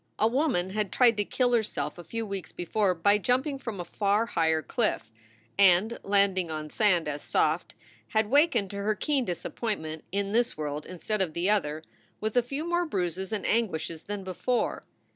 A woman had tried to kill herself a few weeks before by jumping from a far higher cliff, and, landing on sand as soft, had wakened, to her keen disappointment, in this world instead of the other,, with a few more bruises and anguishes than before.